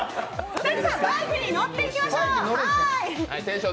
草薙さん、バイクに乗っていきましょう！